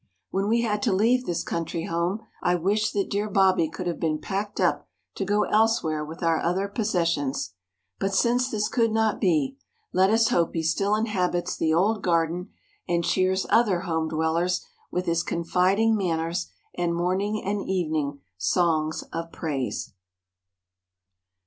When we had to leave this country home I wished that dear Bobbie could have been packed up to go elsewhere with our other possessions, but since this could not be, let us hope he still inhabits the old garden and cheers other home dwellers with his confiding manners and morning and evening songs of praise.